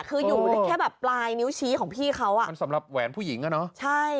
คืออยู่ได้แค่แบบปลายนิ้วชี้ของพี่เขาอ่ะมันสำหรับแหวนผู้หญิงอ่ะเนอะใช่